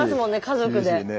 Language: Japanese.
家族でね。